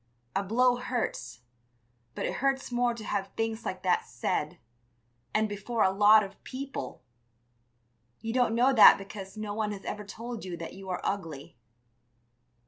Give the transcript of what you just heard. A blow hurts, but it hurts more to have things like that said, and before a lot of people! You don't know that because no one has ever told you that you are ugly.